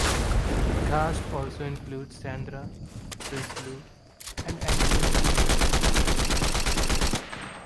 The cast also includes Sandra Prinsloo and Antoinette Louw.